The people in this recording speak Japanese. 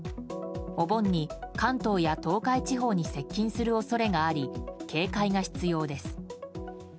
お盆に関東や東海地方に接近する恐れがあり警戒が必要です。